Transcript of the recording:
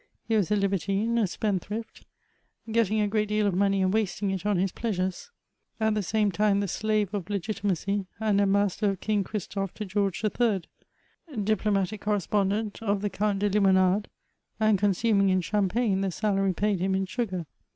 He was a liber tine, a spendthrift ; getting a great deal of money and wasting it on his pleasures ; at the same time the slave of legitimacy, and ambassador of King Christophe to George III. ; diplo^ matic correspondent of the Count de Limotrnde, and consuming in champagne the salary paid him in sugar.